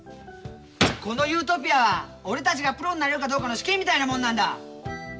この「ＵＴＯＰＩＡ」は俺たちがプロになれるかどうかの試験みたいなもんなんだ。